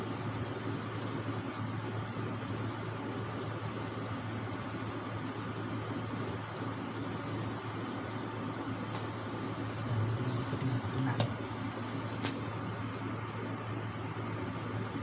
อ่าตั้งแต่ช่วงทุ่มแล้ว